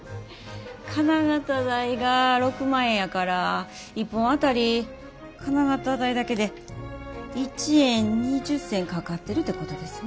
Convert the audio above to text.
金型代が６万円やから一本当たり金型代だけで１円２０銭かかってるてことですね。